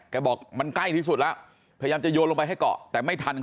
บอกมันใกล้ที่สุดแล้วพยายามจะโยนลงไปให้เกาะแต่ไม่ทัน